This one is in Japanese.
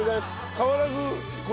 変わらず。